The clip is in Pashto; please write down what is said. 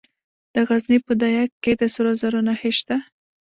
د غزني په ده یک کې د سرو زرو نښې شته.